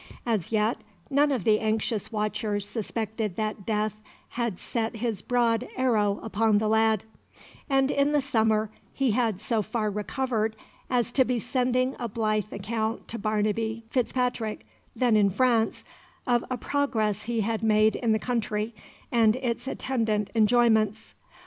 As yet none of the anxious watchers suspected that death had set his broad arrow upon the lad; and in the summer he had so far recovered as to be sending a blithe account to Barnaby Fitzpatrick, then in France, of a progress he had made in the country, and its attendant enjoyments.